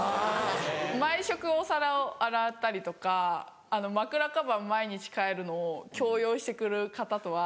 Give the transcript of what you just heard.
毎食お皿を洗ったりとか枕カバー毎日替えるのを強要して来る方とは。